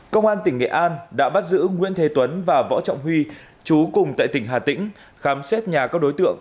công an tp hcm đã bắt giữ nguyễn thế tuấn và võ trọng huy chú cùng tại tỉnh hà tĩnh khám xét nhà các đối tượng